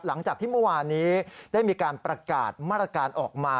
หลังจากที่เมื่อวานนี้ได้มีการประกาศมาตรการออกมา